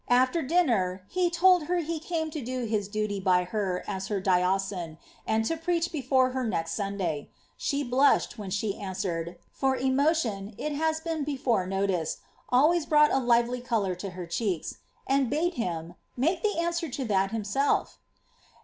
After diaatt he told her he came to do his duty by her m her diocesan, and to picadi before her next Sunday ; she blushed when she answered (for emocioa, it has been before noticed, always brought a lively colour to her cheeks^ and bade him ^ make the answer to that himself.